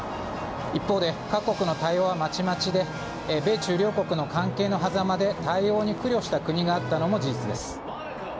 一方で、各国の対応はまちまちで、米中両国の関係のはざまで対応に苦慮した国があったのも事実です。